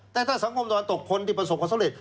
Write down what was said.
แต่ถ้าสังคมตะวันตกคนที่ประสบความสำเร็จ